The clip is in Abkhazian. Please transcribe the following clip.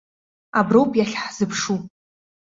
Аброуп иахьҳзыԥшу.